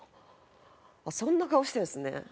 あっそんな顔してるんですね。